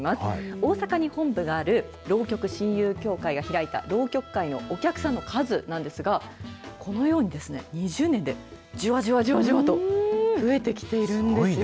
大阪に本部がある、浪曲親友協会が開いた浪曲会のお客さんの数なんですが、このように２０年で、じわじわじわじわと増えてきているんですよ。